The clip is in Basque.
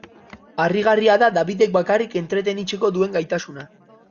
Harrigarria da Dabidek bakarrik entretenitzeko duen gaitasuna.